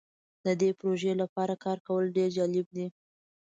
د دې پروژې لپاره کار کول ډیر جالب دی.